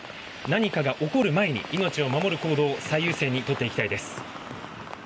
何かが起こる前に命を守る行動を最優先にとっていきたいです。